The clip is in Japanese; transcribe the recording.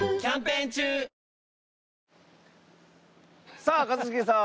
さあ一茂さん。